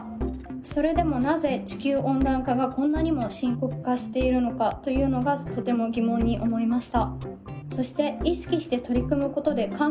それでもなぜ地球温暖化がこんなにも深刻化しているのかというのがとても疑問に思いました。